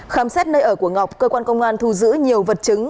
khám xét nơi ở của ngọc cơ quan công an thu giữ nhiều vật chứng